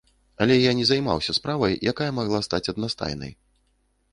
Але я не займаўся справай, якая магла стаць аднастайнай.